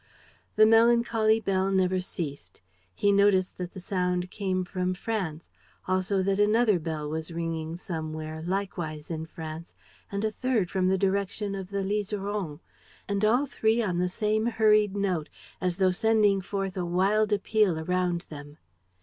The melancholy bell never ceased. He noticed that the sound came from France; also that another bell was ringing somewhere, likewise in France, and a third from the direction of the Liseron; and all three on the same hurried note, as though sending forth a wild appeal around them.